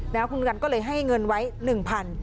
แล้วคุณกันก็เลยให้เงินไว้๑๐๐บาท